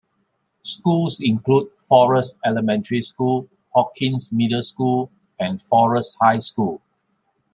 Schools include Forest Elementary School, Hawkins Middle School and Forest High School.